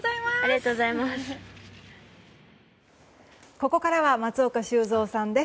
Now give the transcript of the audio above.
ここからは松岡修造さんです。